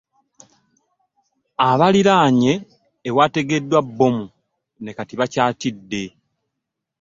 Abaliranye ewategedwa bbomu ne kati bakyatidde.